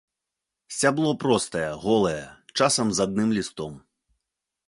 Сцябло простае, голае, часам з адным лістом.